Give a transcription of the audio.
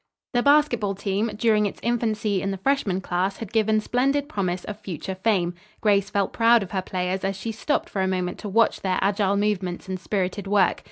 The basketball team, during its infancy in the freshman class had given splendid promise of future fame. Grace felt proud of her players as she stopped for a moment to watch their agile movements and spirited work.